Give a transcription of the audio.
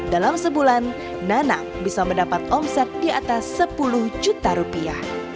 dalam sebulan nanang bisa mendapat omset di atas sepuluh juta rupiah